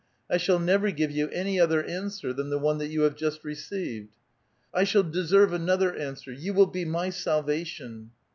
I shall never give you any other answer than the one that 3'ou have just received." "I shall deserve — I shall deserve another answer; you will be my salvation